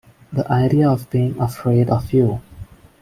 The idea of being afraid of you!